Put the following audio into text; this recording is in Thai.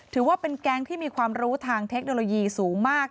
ถือว่าเป็นแก๊งที่มีความรู้ทางเทคโนโลยีสูงมาก